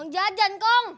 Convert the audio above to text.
uang jajan kong